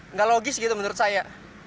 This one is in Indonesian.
nggak logis gitu menurut saya